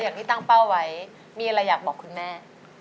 อย่างที่ตั้งเป้าไว้มีอะไรอยากบอกคุณแม่